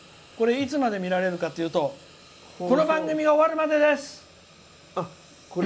いつまで見られるかっていうとこの番組が終わるまでです！